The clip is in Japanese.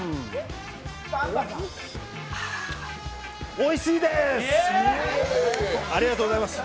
おいしいです！